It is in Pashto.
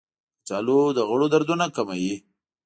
کچالو د غړو دردونه کموي.